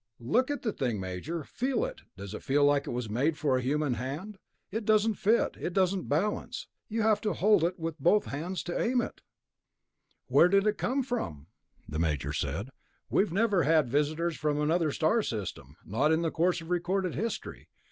"Look at the thing, Major. Feel it. Does it feel like it was made for a human hand? It doesn't fit, it doesn't balance, you have to hold it with both hands to aim it...." "But where did it come from?" the Major said. "We've never had visitors from another star system ... not in the course of recorded history.